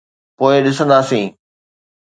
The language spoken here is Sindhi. پوءِ ڏسنداسين.